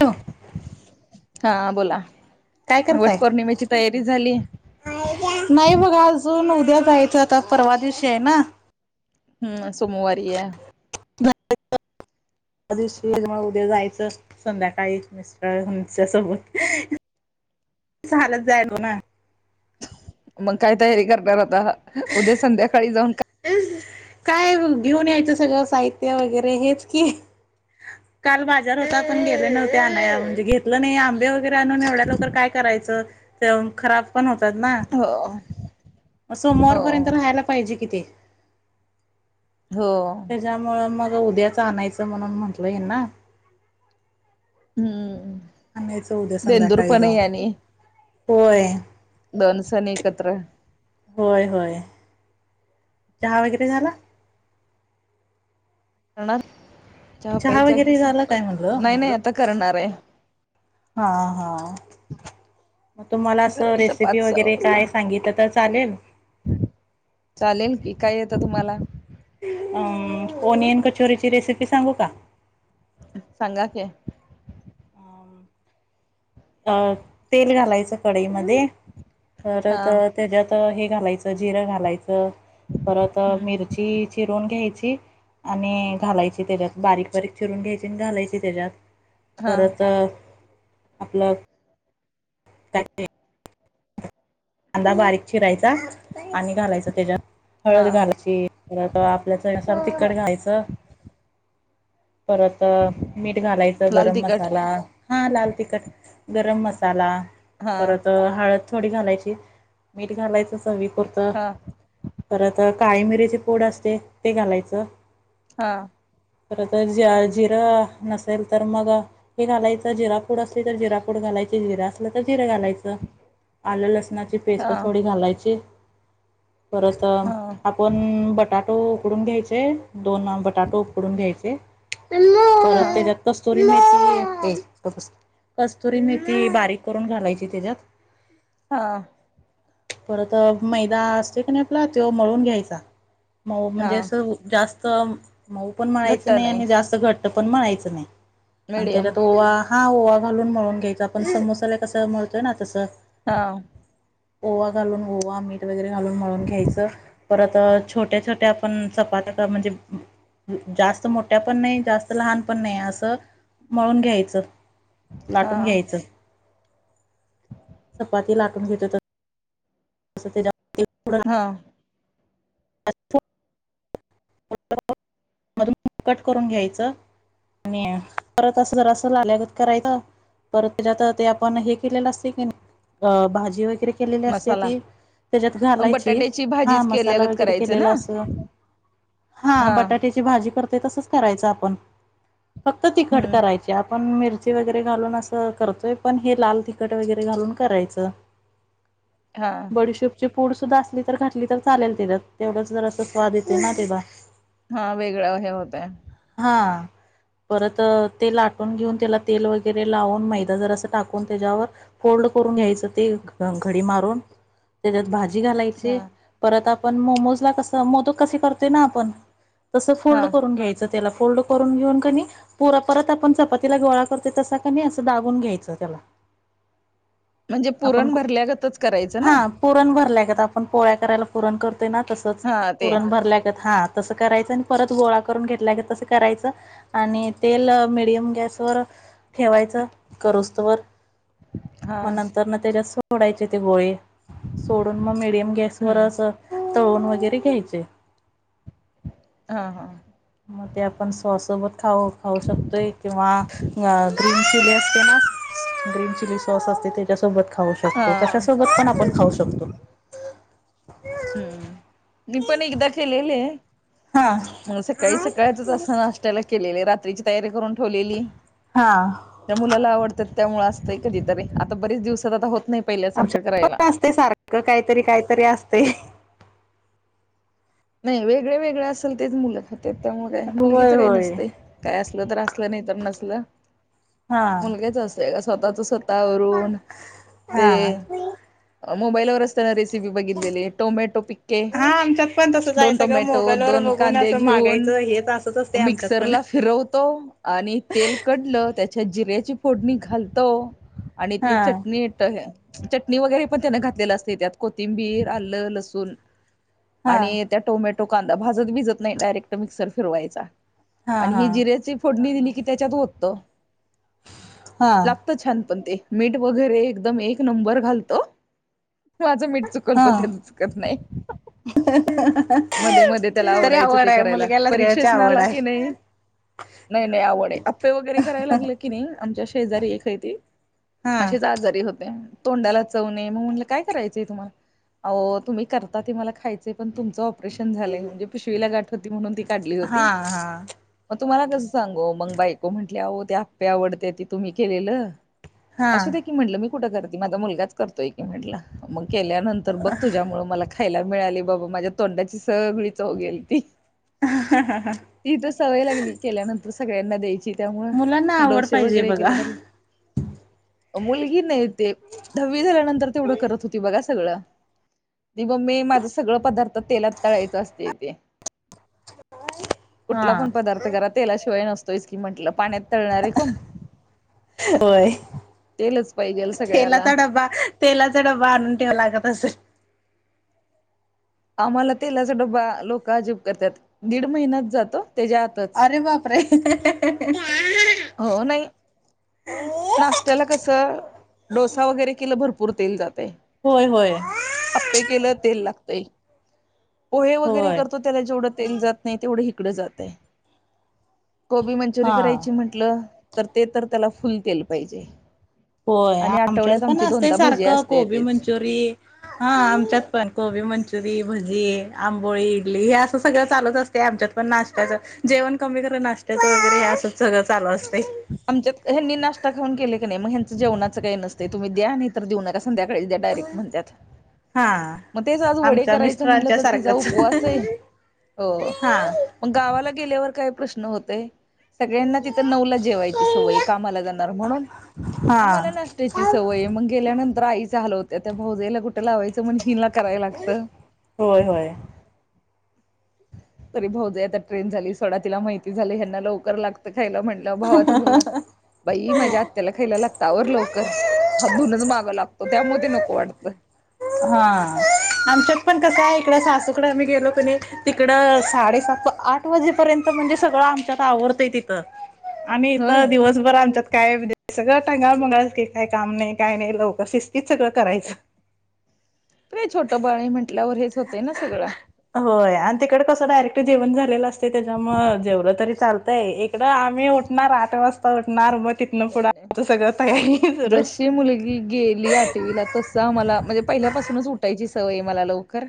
हो हा बोला. काय वट करताय? पौर्णिमेची तयारी झाली नाही बघ अजून क्या जायचं आता परवा दिवशी आहे ना? हम्म सोमवारी हाय. घर [inaudible] उद्या जायचं संध्याकाळी मिस्टरंच्या सोबोत जाय हो [unintelligible] ना मग काय तयारी करणार होता उद्या संध्याकाळी जाऊन? काय घेऊन यायचं सगळं साहित्य वगैरे हेच की काल बाजार होता पण गेले नव्हते आणाया म्हणजे घेतलं नाही आंबे वगैरे आणून एवढ्या लोकर काय कराय खराब पण होतात ना का हो सोमवार हो पर्यंत राहायला पाहिजे की ते हो त्याच्यामुळं मग उद्याच आणायचं म्हणून म्हंटलंय ना हं आम्ही च उद्या संध्याकाळी जाऊ होय. दोनदिवसनी एकत्र होय होय. चहा वगैरे झाला. णार चहा प्यायचा की वगैरे झाला काय संप म्हणलं नाही नाही आता करणार आहे. हा हा. मग तुम्हाला असं करायचं रेसिपी पाच सहा वगैरे काय वाजता सांगित तर चालेल. चालेल की काय येतं तुम्हाला? अ ओनियन कचोरीची रेसिपी सांगू का? सांगा कि अ तेल घालायचं कढईमध्ये हा परत त्याज्यात हे. घालायच जिरं घालायचं परत हम्म मिरची चिरून घ्यायची. आणि घालायची त्याच्यात बारीक बारीक चिरून घ्यायची आणि घालायचची त्याच्यात हा परत आपलं कांदा बारीक चिरायचा आणि घालायचा त्याच्यात हा हळद घालयची पर आपल्याच सार तिखट घायचं परत मीठ घालायचं लाल गरम तिखट मसाला हा लाल तिखट गरम मसाला हा मसाला परत हळद थोडी घालायची मीठ घालायचं चवी पुर्त हा परत काळी मिरीचे पोड असते ते घालायचं हा. खर तर ज जिरं नसेल तर मग हे घालायचं जिरा फूड असली तर जिरा फूड घाला जिरे असलं तर जिरे घालायचं आलं लसणाची पेस्ट हा थोडी घालायची परत हा आपण बटाटो उकडून घ्यायचे दोन बटाटो उकडून घ्यायचे तर हा त्याज्यात कस्तुरी मेथी बारीक करून घालायची त्याच्यात हा. परत मैदा असते का नाही आपला तो मळून घ्यायचा मऊ हा म्हणजे असं जास्त मऊ पण मळायचं नाही आणि जास्त घट्ट पण मळायचं नाही आणि मिडियम त्याच्यात ओवा हा ओवा घालून मळून घ्यायचा आपण समोसाला कसं मिळतोय ना तसं हा. ओवा घालून ओवा मीठ वगैरे घालून मळून घ्यायचं परत छोट्या छोट्या आपण चपातिला म्हणजे जास्त मोठ्या पण नाही जास्त लहान पण नाही असं मळून घ्यायचं हा लाटून घ्यायचं चपाती लाटून घेत तसं तसं तेज्यात हा. [unintelligible] कट करून घ्यायचं आणि परत असं जरा असं लाल्यागत करायचं परत त्याच्यात ते आपण हे केलेलं असते की अ भाजी वगैरे केलेली असतें मसाला ती त्याच्यात मग घालायची बटाट्याची हा भाजीच मसाला केल्यागत वगैरे करायचं केलेला ना असं हा बटाट्याची भाजी करत. तसं करायचं आपण फक्त तिखट हम्म करायची आपण मिरची वगैरे घालून असं करतोय पण हे लाल तिखट वगैरे घालून करायचं हा बडीशेपची फूड सुद्धा असली तर घातली तर चालेल तिला तेवढंच जरा असं स्वाद येते ना तेला हा वेगळं हे होतय हा. परत ते लाटून घेऊन त्याला तेल वगैरे लावून मैदा जर टाकून त्याच्यावर फोल्ड करून घ्यायच घडी मारून तेज्यात भाजी घायची हा परत आपण मोमोज कसं मोदक कसे करतो ना आपण तसं हा त्या फोल्ड करून घेऊन कपत आपण चपातीला गोळा करते तसा किनी असं दाबुन घ्यायचं त्याला म्हणजे हा आपण पुरण भरल्यागतच करायचं ना पुरण भरल्यागत आता आपण पोळ्या करायला पुरण करतोय ना तसंच हा ते पुरण भरल्या हा तसं करायचं परत गोळा घेत करायचं आणि तेल मिडयम गॅसवर ठेवायचं हा मग नंतर न त्याच्यात सोडायचे ते बोळे सोडून मग मडियम हम्म गॅसवरच तळून वगैरे घ्यायचे हा हा. मग ते आपण स्वाससोबत खाऊ खाऊ शकतोय किंवा ग्रीन चिली असतें ना ग्रीन चिली सॉस असतें त्याच्यासोबत खाऊ हा शकतो कशा सोबत पण आपण खाऊ शकतो? हम्म मी पण एकदा केेलेले हा मग सकाळी सकाळच असं नाश्त्याला केलेलं रात्रीची तयारी करून ठेवलेली. हा त्या मुलाला आवडतात त्यामुळ असतंय कधीतरी आता बरीेच दिवसात आता होत नाही. पहिल्यासारखं आमच्या करायला पण असते सारखं काहीतरी काहीतरी असते. नाही वेगळे वेगळे असेल तेच मुल त्यामुल काय मुलगीच होय काही होय नसतं काय अस. असलं नाही तर नसल हा मुलगच अस का स्वतःच. हा मोबाईल वर असना. बघितलेली टोमॅटो पिके. हा आमच्यात पण तसंच आहे दोन सगळं टोमॅटो मोबाईलवर दोन बघून कांदे असं घेऊन मागायचं हे असंच असते आमच्यात पण मिक्सरला फिरवतो आणि आणि तेल कढलं त्याच्यात जिऱ्याची फोडणी घालतो आणि हा ती चटणी चटणी वगैरे पण त्यान घातलेलं असते त्यात कोथिंबीर, आल, लसूण, हा. आणि त्या टोमॅटो कांदा भाजत भिजत नाही डायरेक्ट मिक्सर मध्ये फिरवायचा. हा हा कि त्याच्यात होततो हा लागत छान पण ते. मीठ वगैरे एकदम एक नंबर घालतो. माझं मीठ चुकल हा पण त्यात चुकत नाही. मध्ये मध्ये त्याला तरी आवडायचं आवड ते आहे करायला मुलग्याला सगळ्याची परीक्षेच आवड नाला आहे की नाही. नाही नाही आवड आप्पे वगैरे करायला लागले की नाही. आमच्या शेजारी एक आहेती हा असेच आजारी होते. तोंडाला चवणे मग म्हटलं काय करायचंय तुम्हाला अ तुम्ही करता ते मला खायचे पण तुमच. ऑपरेशन झाले म्हणजे पिशवीला गठ होती म्हणून ती काढली हा होती. हा तुम्हाला कसं सांगो मग बायको म्हटल्या हो ते आप्पे आवडते ते तुम्ही केलेलं. हा असं दे की म्हटलं मी कुठं. केल्यानंतर बघ तुझ्यामुळ मला खायला मिळाले बाबा माझ्या तोंडाची सगळी चौघेल ती. ह ह ह. ती तर सवय लागली केल्यानंतर सगळ्यांना द्यायची त्यामुळं. मुलांना आवड डोसे पाहिजे वगैरे बघा केले तरीे. मुलगी नाही ते दहावी झाल्यानंतर तेवढं करत होती बघा. सगळ म मी माझ सगळ पदार्थ. तेलात तळायचं असते तेे. हा कुठला पण पदार्थ करा तेलाशिवाय नसतोयच की म्हंटलं पाण्यात. तळनार आहे का होय तेलात. तेलाचा डबा तेलाचा डबा आणून ठेव लागत असे. आम्हाला तेलाचा डब्बा लोक अजिब करतात दीड महिन्यात जातो. त्याच्या आतच अरे वापरे. हो नाही. हम [unintelligible] नाश्त्याला कस डोसा वगैरे केलं भरपूर तेल जात. होय होय आपे केलं तेल लागतय. पोहे वगैरे होय करतो त्याला जेवढं तेल जात नाही तेवढं इकडं जात. कोबी मंचुरियन हा करायची म्हंटलं तर ते तर त्याला फुल तेल पाहिजे. होय आणि आमच्यात आठवड्यात पण आमची असते दोनदा भजी सारखं असते कोबी तेच मंचुरीयन हा आमच्यात पण कोबी. मंचरी. भजी आंबोळी इडली हे असं सगळं चालूच असते आमच्यात पण नाश्त्याच जेवण कमी करत नाश्ता. ते तर असं [unintelligible] असते आमच्यात हनी नाश्ता खाऊन केले क नाही मग. जेवणाच काही नसते तुम्ही द्या नाही तर देऊ नका संध्याकाळीच द्या डायरेक्ट म्हणतात. हा मग तेच आज वडे आमच्या करायचं म्हणलं मिस्टरांच्या तर तिचा सारखंच उपवास आहे अ. हा मग गावाला गेल्यावर काय प्रश्न होतय सगळ्यांना ति. तर नऊला जेवायची सवय कामाला जाणार म्हणून हा आम्हाला नाश्त्याची सवय मग गेल्यानंतर. आईच हाल होत्या त्या भाऊजईला कुठे लावायचंण हिनला कराय लागतं‌. होय होय. तरी भाऊज आता ट्रेन झाली सडा तिला माहिती झालं ह्याना लवकर लागत म्हटलं भावाचा मुलगा बाई ्या हत्याला खायला लागत आवर लवकर, हात धुऊन मागं लागतो त्यामध्ये नको वाटत. हा. आमच्यात पण कसं आहे इकड सासूकडे आम्ही गेलो कणी तिकड साडेसात, आठ वाजेपर्यंत म्हणे सगळ आमच्या आवरत तिथ आणि होय दिवसभर आमच्या का हे सगळं टंगळमंगळ की काय काम नाही काय नाही लवकर शिस्तीत सगळं करायचं. आपलं छोटं बाळी म्हटल्यावर हेच होते ना सगळं. होय आणि तिकडे कसं डायरेक्ट जेवण झालेलं असते त्याच्यामुळ जेवलं तरी चाल इकडे आम्ही उठणार आठ वाजता तिथंन पुढं नाही नाही. आमचं सगळं तयार जशी मुलगी गेली आठवीला तस आम्हाला म्हणजे पहिल्यापासूनच उठायची होय मला लवकर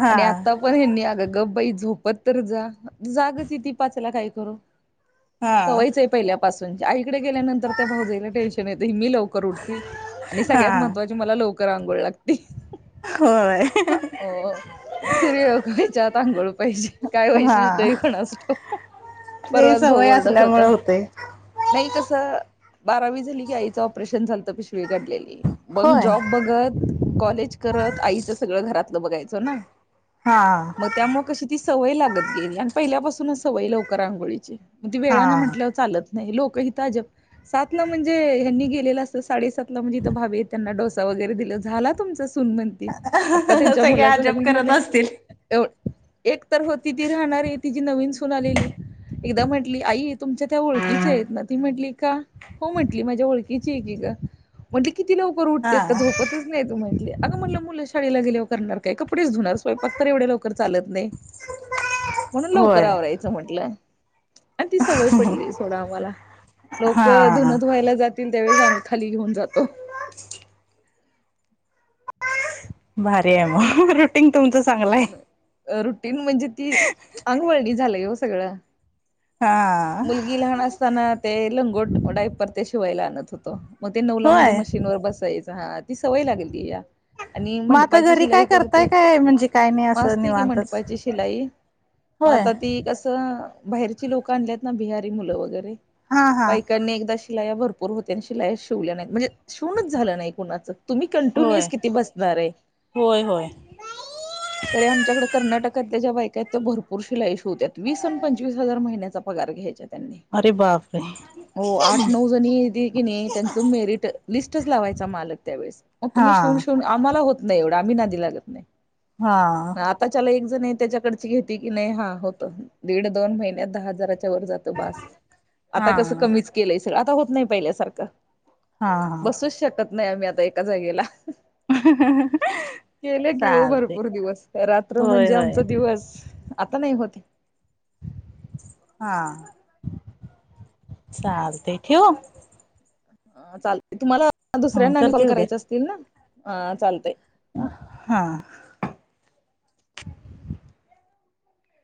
हा आणि आता पण ह्यांनी गप बई झोपत तर जा जागच य ती पाचला काय करू हा सवयचं आहे पहिल्या पासून तिकडेे गेल्यानंतर त्या भाऊजई टेन्शन येत मी लवकर उटति आणि हा सगळ्यात महत्त्वाची करांगोळ लागती. होय. हो सूर्य उगवायच्या आत आंघोळ पाहिजे काय हा वैशिष्ट्य आहे कोणास ठाऊ ते परवाच भाऊ सवय ओरडत होता. असल्यामुळे होते नाही कस बारावी झाली की आईचं ऑपरेशन झालत पिशवी काढलेली मग होय जॉब बघत, कॉलेज करत आईच सगळं घरातलं बघायचं ना. हा मग त्यामुळे कशी ती सवय लागत गेली आणि पहिल्यापासूनच सवय लवकर आंघोळीची. मग त वेळानं हा म्हटलंवर चालत नाही. लो कहीताजप सात ला म्हणजे हयांनी गेलेलं असतं साडेसातला म्हणजे भाभी त्यांना डोसा वगैरे दिला झाला तुमचा सनमनती आता त्यांच्या सगळे मुलाच अजब लग्न करत झालंय. असतील ए एक तर होती ती राहणारी तिची नवीन सून आलेली एकदा म्हंटली आई तुमच्या त्या ओळखीच्या आहेत ना ती म्हंटली का हो म्हंटली माझ्या ओळखीची आहे की ग म्हंटल किती लवकर हा उठतेत का झोपतच नाही तू म्हटले अगं म्हटलं मुलं शाळेला गेले व करणार काय कपडेच धुणार तर एवढ्या स्वयपाक लवकर चालत नाही. [inaudible] म्हणून लवकर होय आवरायचं म्हटलं आणि ती सवय पडली सोडा आम्हाला. लोक हा धुन धुव्हायला जातील त्यावेळेच आम्ही खाली घेऊन जातो. [inaudible] भारी आहे मग रुटींग तुमचं. चांगलं आहे रुटीन म्हणजे ती अंगवळणी झालय हो सगळं. हा मुलगी लहान असताना ते लंगोट डाईपर शिवायला आणत होतो. मग ते नऊला म्हणजे होय मशीन वर बसायचं हा ती सवय लागलीया. आणि मग आता मंडपाची घरी काय शिलाई करताय करती काय म्हणजे काय नाही असं आस्ती की निवांतच मंडपाची शिलाई. मग होय आता ती कस बाहेरची लोक आण बिहारी मुलं वगैरे हा हा बायकांनी एकदा शिलाया भरपूर होत आणि शिलाया शिवल्या नाहीत म्हणजे शिवनच झालं नाही कुणाच तुम्ही होय कंटिन्युअस किती बसणार आहे. होय होय अरे आमच्याकडे कर्नाटक ज्या बायका आहेत त्या भरपूर शिलाईश होत वीस आणि पंचवीस हजार महिन्याचा पगार घ्यायच्यात. अरे बापरे! हो आठ, नऊ जणी की नाही त्यांच मेरिट लिस्टच लावायचा मालक त्यावेळेस मग हा तुम् श आम्हाला होत नाही एवढं आम्ही नादी लागत नाही. हा आताच्याला ए ते नाही त्याच्याकडची घेती की नाही. हा होतं दीड दोन महिन्यात दहा हजाराचा जात बास आता कसं हा हा कमीच केलं सर आता होत नाही पहिल्यासारखं हा बसूच शकत नाही आम्ही आता एका जागेला. केले की हो चालत भरपूर दिवस रात्र म्हणजे आमचा दिवस. आता नाही होत. हा. चालतंय ठेऊ? ह चालते तुम्हाला दुसऱ्यांना आणि कॉल करते उद्या करायचं असतील ना? चालतय. हा.